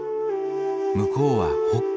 向こうは北海。